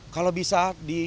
kalau bisa di